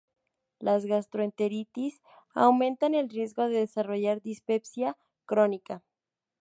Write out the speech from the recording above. Las gastroenteritis aumentan el riesgo de desarrollar dispepsia crónica.